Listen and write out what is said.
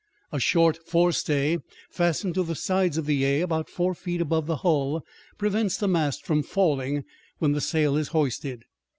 A short forestay fastened to the sides of the "A" about four feet above the hull prevents the mast from falling when the sail is hoisted.